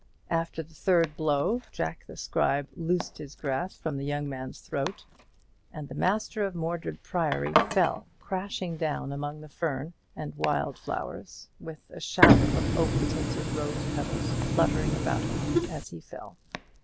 After the third blow, Jack the Scribe loosed his grasp from the young man's throat, and the master of Mordred Priory fell crashing down among the fern and wild flowers, with a shower of opal tinted rose petals fluttering about him as he fell.